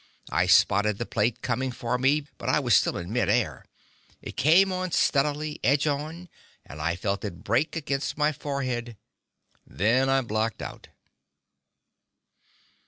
I spotted the plate coming for me, but I was still in midair. It came on steadily, edge on, and I felt it break against my forehead. Then I blacked out.